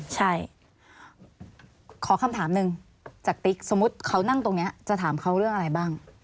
ใช่ขอคำถามหนึ่งจากติ๊กสมมุติเขานั่งตรงนี้จะถามเขาเรื่องอะไรบ้าง